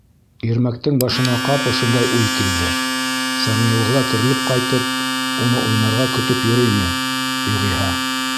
Ирмәктең башына ҡапыл шундай уй килде: Сәмиғулла терелеп ҡайтып, уны уйнарға көтөп йөрөймө, юғиһә?